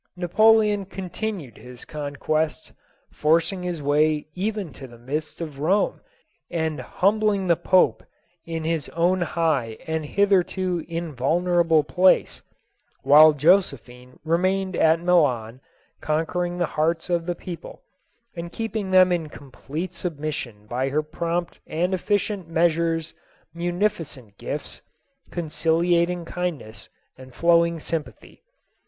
240 JOSEPHINE. Napoleon continued his conquests, forcing his way even to the midst of Home and humbling the pope in his own high and hitherto invulnerable place, while Josephine remained at Milan conquering the hearts of the people, and keeping them in complete submission by her prompt and efficient measures, munificent gifts, conciliating kindness and flowing sympathy.